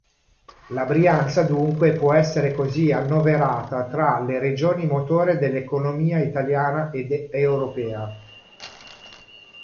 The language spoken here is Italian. La Brianza dunque può essere così annoverata tra le regioni-motore dell'economia italiana ed europea.